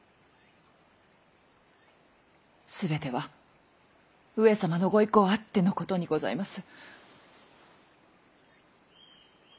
全ては上様のご威光あってのことにございます。